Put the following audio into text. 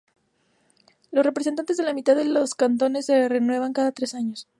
Los representantes de la mitad de los cantones se renuevan cada tres años.